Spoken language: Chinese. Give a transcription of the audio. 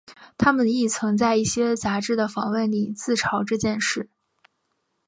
他们亦曾在一些杂志的访问里自嘲这件事。